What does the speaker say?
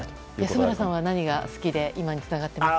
安村さんは何が好きで今につながっていますか？